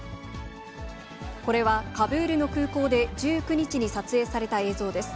これは、カブールの空港で１９日に撮影された映像です。